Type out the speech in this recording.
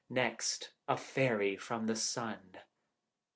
Next, a fairy from the sun.